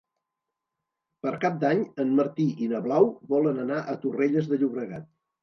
Per Cap d'Any en Martí i na Blau volen anar a Torrelles de Llobregat.